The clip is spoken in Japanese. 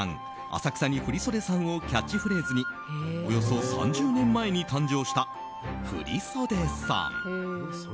浅草に振袖さんをキャッチフレーズにおよそ３０年前に誕生した振袖さん。